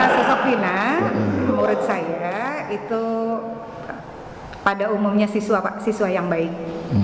sosok pina menurut saya itu pada umumnya siswa yang baik